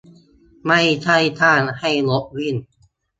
ไม่ใช่สร้างให้รถวิ่ง